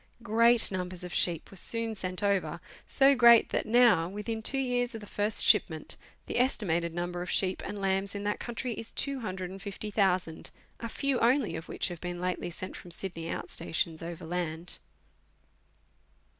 Great numbers of sheep were soon sent over, so great that now, within two years of the first shipment, the estimated number of sheep and lambs in that country is 250,000, a few only of which have been lately sent from Sydney out stations overland.